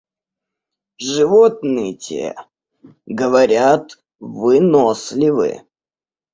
Животные, те, говорят, выносливы.